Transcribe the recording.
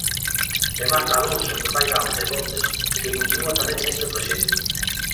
E Marta Alonso, que fai danza e voces, e que continúa tamén neste proxecto.